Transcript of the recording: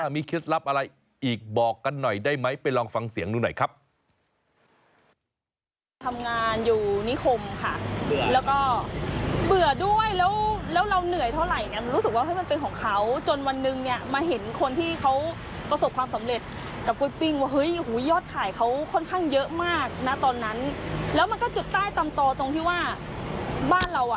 มีเคล็ดลับอะไรอีกบอกกันหน่อยได้ไหมไปลองฟังเสียงดูหน่อยครับ